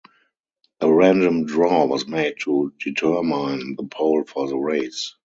A random draw was made to determine the pole for the race.